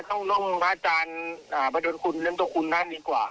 ต้องลงพระอาจารย์ประโยชน์คุณเริ่มตัวคุณท่านดีกว่า